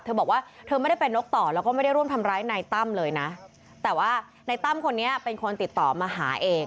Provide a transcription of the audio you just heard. เธอบอกว่าเธอไม่ได้เป็นนกต่อแล้วก็ไม่ได้ร่วมทำร้ายนายตั้มเลยนะแต่ว่านายตั้มคนนี้เป็นคนติดต่อมาหาเอง